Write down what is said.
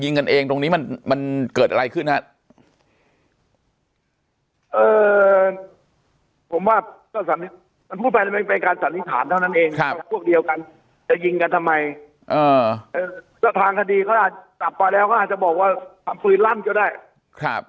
เออผมว่าก็สังมันพูดไปเป็นไปการสันนิษฐานเท่านั้นเองครับพวกเดียวกันจะยิงกันทำไมเออเออแล้วทางคดีเขาอาจตับไปแล้วก็อาจจะบอกว่าความฝืนร่ำก็ได้ครับ